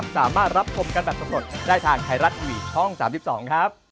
สวัสดีค่ะ